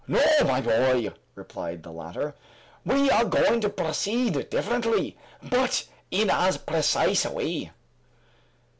"No, my boy," replied the latter, "we are going to proceed differently, but in as precise a way."